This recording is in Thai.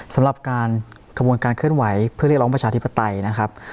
สำหรับการกระบวนการเคลื่อนไหวเพื่อเรียกร้องประชาธิปไตยนะครับ